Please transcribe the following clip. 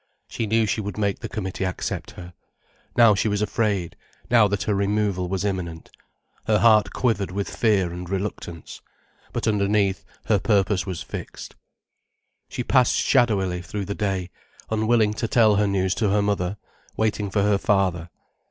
She knew she would make the Committee accept her. Now she was afraid, now that her removal was imminent. Her heart quivered with fear and reluctance. But underneath her purpose was fixed. She passed shadowily through the day, unwilling to tell her news to her mother, waiting for her father.